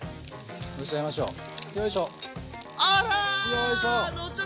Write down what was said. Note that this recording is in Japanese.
よいしょ！